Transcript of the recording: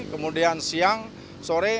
kemudian siang sore